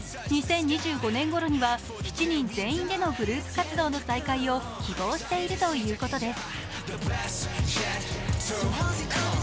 ２０２５年ごろには、７人全員でのグループ活動の再開を希望しているということです。